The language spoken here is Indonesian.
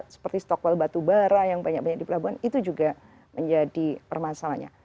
seperti stokpil batu bara yang banyak banyak di pelabuhan itu juga menjadi permasalahannya